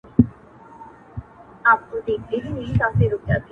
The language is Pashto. د درد د كړاوونو زنده گۍ كي يو غمى دی-